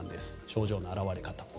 症状の表れ方。